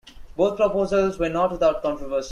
Both proposals were not without controversy.